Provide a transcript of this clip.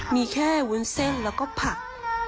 มีแค่วุ้นเส้นแล้วก็ผัก